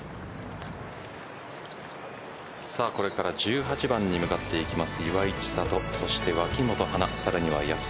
これから１８番に向かっていきます